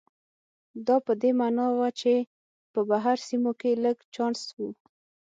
دا په دې معنا و چې په بهر سیمو کې لږ چانس و.